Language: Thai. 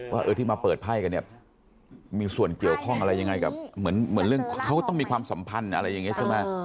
ว่าที่มาเปิดไพ่กันเนี่ยมีส่วนเกี่ยวข้องอะไรยังไงกับเหมือนเรื่องเขาต้องมีความสัมพันธ์อะไรอย่างนี้ใช่ไหม